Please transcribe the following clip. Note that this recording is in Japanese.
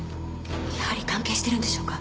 やはり関係しているんでしょうか？